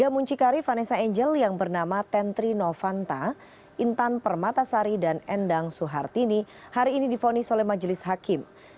tiga muncikari vanessa angel yang bernama tentri novanta intan permatasari dan endang suhartini hari ini difonis oleh majelis hakim